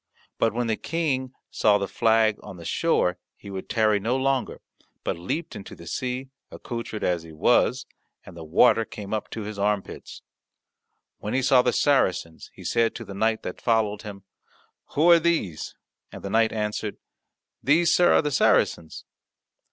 But when the King saw the flag on the shore he would tarry no longer, but leapt into the sea, accoutred as he was, and the water came up to his armpits. When he saw the Saracens, he said to the knight that followed him, "Who are these?" And the knight answered, "These, sir, are the Saracens."